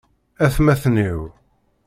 Atmaten-iw!